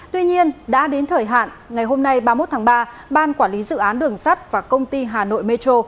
tuy nhiên đã đến thời hạn ngày hôm nay ba mươi một tháng ba ban quản lý dự án đường sắt và công ty hà nội metro